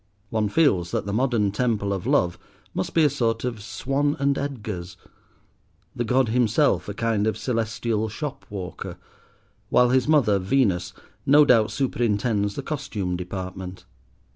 One feels that the modern Temple of Love must be a sort of Swan and Edgar's; the god himself a kind of celestial shop walker; while his mother, Venus, no doubt superintends the costume department.